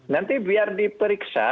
nanti biar diperiksa